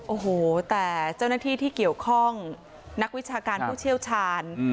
โอ้โหแต่เจ้าหน้าที่ที่เกี่ยวข้องนักวิชาการผู้เชี่ยวชาญ